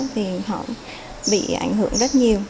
thì họ bị ảnh hưởng rất nhiều